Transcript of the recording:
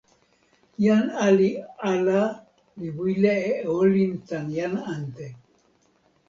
jan ali ala li wile e olin tan jan ante.